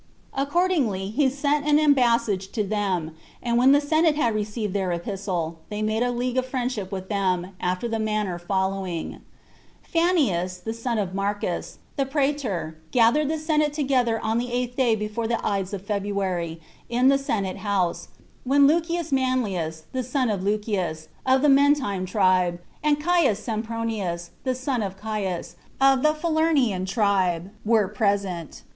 Accordingly, he sent an embassage to them; and when the senate had received their epistle, they made a league of friendship with them, after the manner following: "Fanius, the son of Marcus, the praetor, gathered the senate together on the eighth day before the Ides of February, in the senate house, when Lucius Manlius, the son of Lucius, of the Mentine tribe, and Caius Sempronius, the son of Caius, of the Falernian tribe, were present.